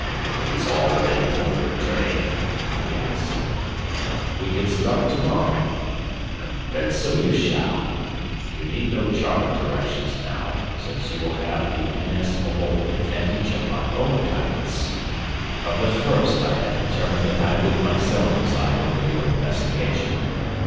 "Is all ready for your journey?" he asked. "We can start to morrow." "Then so you shall. You need no chart of directions now, since you will have the inestimable advantage of my own guidance. From the first I had determined that I would myself preside over your investigation.